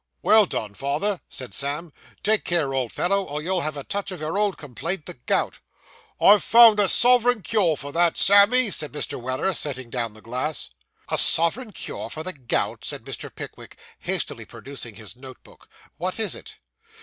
'Well done, father,' said Sam, 'take care, old fellow, or you'll have a touch of your old complaint, the gout.' 'I've found a sov'rin' cure for that, Sammy,' said Mr. Weller, setting down the glass. 'A sovereign cure for the gout,' said Mr. Pickwick, hastily producing his note book 'what is it?